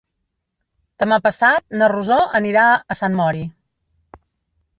Demà passat na Rosó anirà a Sant Mori.